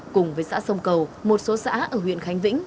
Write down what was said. cùng với xã sông cầu một số xã ở huyện khánh vĩnh